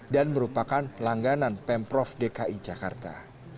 dan merupakan langganan pemprov dki jakarta